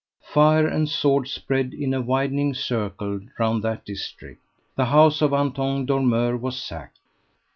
Fire and sword spread in a widening circle round that district; the house of Anton Dormeur was sacked.